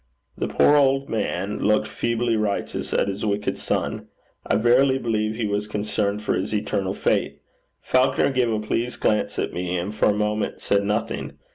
The poor old man looked feebly righteous at his wicked son. I verily believe he was concerned for his eternal fate. Falconer gave a pleased glance at me, and for a moment said nothing.